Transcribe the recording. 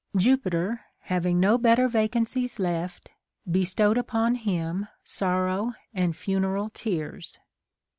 Jupiter, having no better vacan cies left, bestowed upon him sorrow and funeral tears."